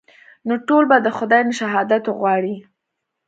نو ټول به د خداى نه شهادت وغواړئ.